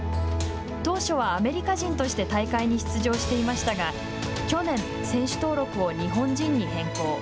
当初はアメリカ人として大会に出場していましたが去年、選手登録を日本人に変更。